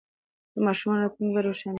د ماشومانو راتلونکې باید روښانه وي.